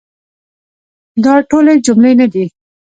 دا ټولي جملې نه دي .